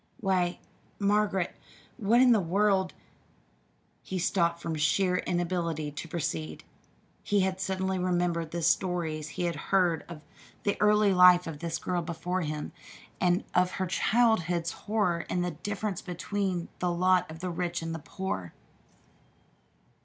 "Why, Margaret, what in the world " he stopped from sheer inability to proceed. He had suddenly remembered the stories he had heard of the early life of this girl before him, and of her childhood's horror at the difference between the lot of the rich and the poor.